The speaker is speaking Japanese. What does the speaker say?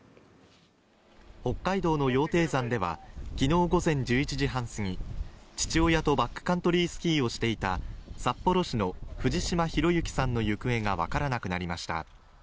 北海道の羊蹄山では昨日午後１１時半すぎ、父親とバックカントリースキーをしていた札幌市の藤島裕之さんの行方が分からなくなりました。